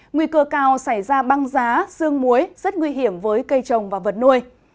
nguy cơ cao xảy ra băng giá xương muối rất nguy hiểm với cây trồng và vật nuôi